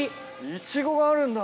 イチゴがあるんだ。